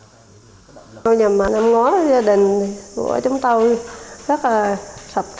hà sẽ được đến trường trong niềm hân hoan vì nay gia đình em hà đã có ngôi nhà mới khang trang sạch đẹp